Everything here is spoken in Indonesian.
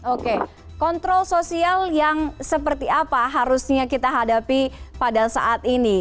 oke kontrol sosial yang seperti apa harusnya kita hadapi pada saat ini